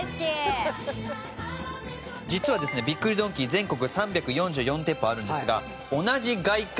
実はですねびっくりドンキー全国３４４店舗あるんですが。